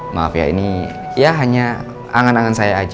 sekalipun kita berdoa mau sampai kapanpun